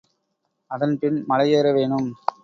அதன் பின் மலை ஏற வேணும்.